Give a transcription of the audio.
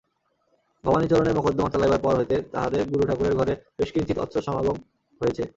ভবাণীচরণের মকদ্দমা চালাইবার পর হইতে তাঁহাদের গুরূঠাকুরের ঘরে বেশ কিঞ্চিৎ অর্থাসমাগম হইয়াছে।